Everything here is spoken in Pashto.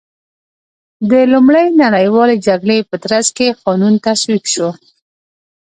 د لومړۍ نړیوالې جګړې په ترڅ کې قانون تصویب شو.